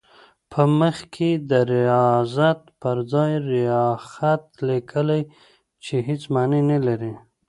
په مخ کې د ریاضت پر ځای ریاخت لیکي چې هېڅ معنی نه لري.